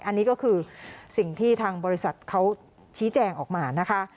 อันนี้ก็คือสิ่งที่ทางบริษัทเขาชี้แจงออกมานะคะ